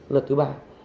luật thứ ba